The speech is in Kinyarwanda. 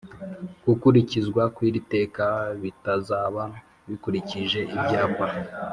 gukurikizwa kw'iri teka bitazaba bikurikije ibyapa